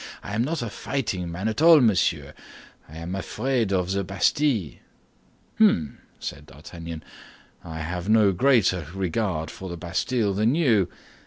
I am not a fighting man at all, monsieur, and I am afraid of the Bastille." "Hum!" said D'Artagnan. "I have no greater regard for the Bastille than you.